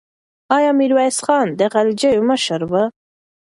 آیا میرویس خان د غلجیو مشر و؟